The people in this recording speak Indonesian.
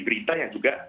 berita yang juga